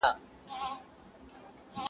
چي د ملالي د ټپې زور یې لیدلی نه وي،